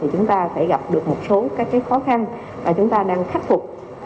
chúng ta phải gặp được một số khó khăn và chúng ta đang khắc phục